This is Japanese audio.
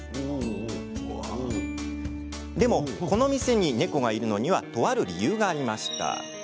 でも、この店に猫がいるのにはとある理由がありました。